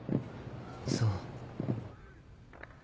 そう。